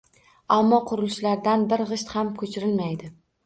Ammo, qurilishlardan bir g`isht ham ko`chirilmaydi